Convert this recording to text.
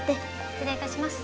失礼いたします。